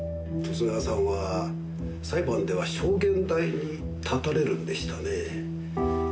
十津川さんは裁判では証言台に立たれるんでしたね。